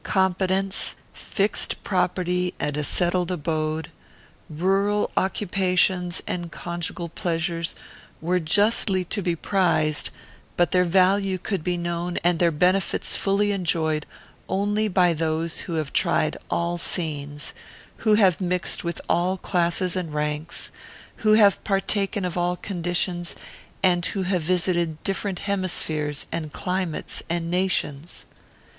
Competence, fixed property and a settled abode, rural occupations and conjugal pleasures, were justly to be prized; but their value could be known and their benefits fully enjoyed only by those who have tried all scenes; who have mixed with all classes and ranks; who have partaken of all conditions; and who have visited different hemispheres and climates and nations.